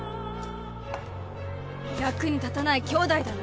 役に立たない兄弟だね。